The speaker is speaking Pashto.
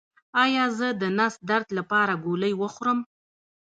ایا زه د نس درد لپاره ګولۍ وخورم؟